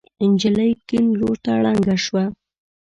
نجلۍ کيڼ لور ته ړنګه شوه.